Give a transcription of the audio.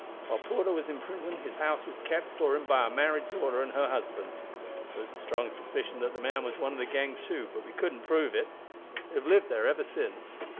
While Porter was in prison his house was kept for him by a married daughter and her husband. There was a strong suspicion that the man was one of the gang too, but we couldn't prove it. They have lived there ever since.